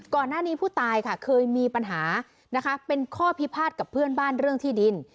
ก่อนหน้านี้ผู้ตายค่ะเคยมีปัญหานะคะเป็นข้อพิพาทกับเพื่อนบ้านเรื่องที่ดิน